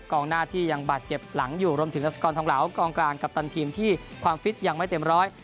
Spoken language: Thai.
หน้าที่ยังบาดเจ็บหลังอยู่รวมถึงรัสกรทองเหลากองกลางกัปตันทีมที่ความฟิตยังไม่เต็มร้อย